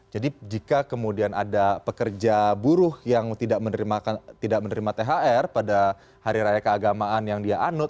jadi jika kemudian ada pekerja buruh yang tidak menerima thr pada hari raya keagamaan yang dia anut